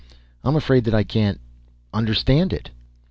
I'm afraid that I can't ... understand it."